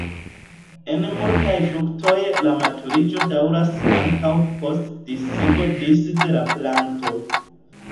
En multaj fruktoj la maturiĝo daŭras ankaŭ post disigo disde la planto.